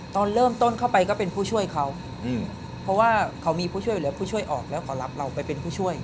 ตอนเริ่มต้นเข้าไปก็เป็นผู้ช่วยเขาเพราะว่าเขามีผู้ช่วยเหลือผู้ช่วยออกแล้วเขารับเราไปเป็นผู้ช่วย